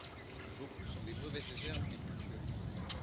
Beaucoup sont des mauvaises herbes des cultures.